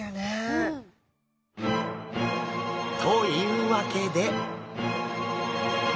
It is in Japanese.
うん。というわけで！